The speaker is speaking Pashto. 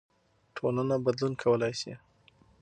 ټولنه بدلون کولای سي.